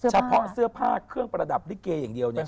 เฉพาะเสื้อผ้าเครื่องประดับลิเกอย่างเดียวเนี่ย